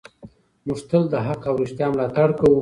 موږ تل د حق او رښتیا ملاتړ کوو.